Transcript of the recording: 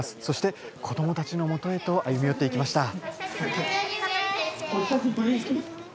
そして子どもたちのもとへと歩みよっていきました。